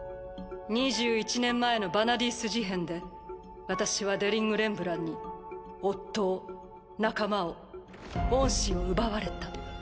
２１年前のヴァナディース事変で私はデリング・レンブランに夫を仲間を恩師を奪われた。